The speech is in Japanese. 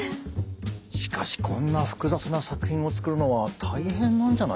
しかしこんな複雑な作品を作るのは大変なんじゃないですか？